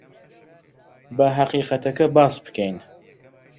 با ھەقیقەتەکە باس بکەین.